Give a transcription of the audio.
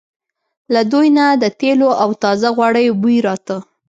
له دوی نه د تېلو او تازه غوړیو بوی راته.